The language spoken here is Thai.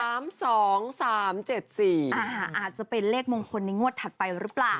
อาจจะเป็นเลขมงคลในงวดถัดไปหรือเปล่า